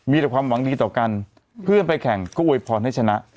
มีแต่ความหวังดีต่อกันเพื่อนไปแข่งก็อวยพรให้ชนะ